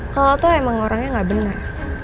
kalau tuh emang orangnya nggak benar